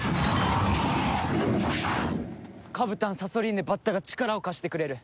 カブタンサソリーヌバッタが力を貸してくれる。